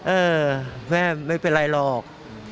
เอ้อแม่หูไม่เป็นอะไรหรอก